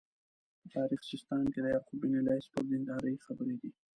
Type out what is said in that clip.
په تاریخ سیستان کې د یعقوب بن لیث پر دینداري خبرې دي.